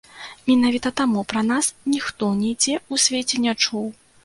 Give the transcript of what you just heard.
Менавіта таму пра нас ніхто нідзе ў свеце не чуў.